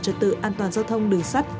trật tự an toàn giao thông đường sắt